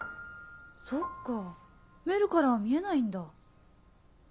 そうかメルからは見えないんだ。